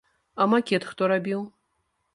А макет хто рабіў?